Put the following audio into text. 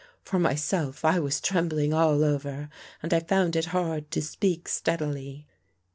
For myself, I was trembling all over and I found it hard to speak steadily.